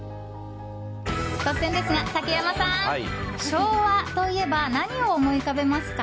突然ですが、竹山さん。昭和といえば何を思い浮かべますか？